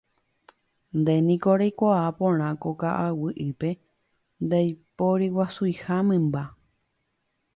Nde niko reikuaa porã ko ka'aguy'ípe ndaiporiguasuiha mymba